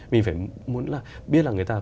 mình phải muốn là biết là người ta